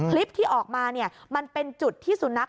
คลิปที่ออกมามันเป็นจุดที่สุนัข